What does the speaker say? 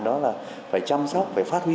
đó là phải chăm sóc phải phát huy